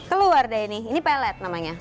keluar deh ini ini pelet namanya